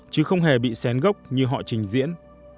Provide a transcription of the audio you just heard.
chứ không hề bị xén gốc như họ trình diễn